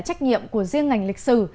trách nhiệm của riêng ngành lịch sử